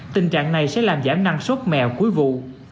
tình trạng này sẽ làm giảm năng suất mèo cuối vụ